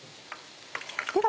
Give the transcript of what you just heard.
では